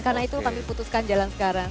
karena itu kami putuskan jalan sekarang